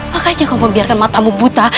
makanya kau membiarkan matamu buta